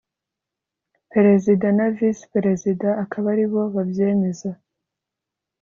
perezida na visi perezida akaba aribo babyemeza